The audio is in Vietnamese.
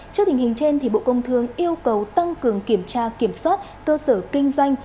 trước tình hình trên bộ công thương yêu cầu tăng cường kiểm tra kiểm soát cơ sở kinh doanh